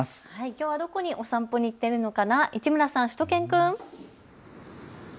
きょうはどこにお散歩に行っているのかな、市村さん、しゅと犬くん。